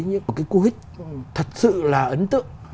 những cái cú hích thật sự là ấn tượng